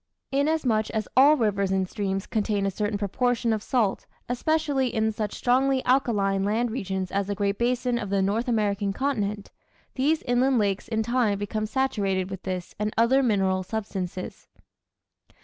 Inasmuch as all rivers and streams contain a certain proportion of salt, especially in such strongly alkaline land regions as the Great Basin of the North American continent, these inland lakes in time become saturated with this and other mineral substances.